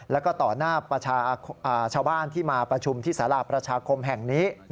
แล้วก็ต่อหน้าชาวบ้านที่มาประชุมที่สาราประชาคมแห่งนี้